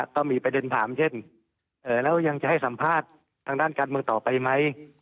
ก็มีประเด็นถามเช่นแล้วยังจะให้สัมภาษณ์ทางด้านการเมืองต่อไปไหม